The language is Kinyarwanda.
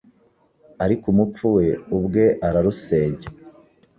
ariko umupfu we ubwe ararusenya"